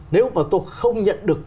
nếu mà tôi không nhận được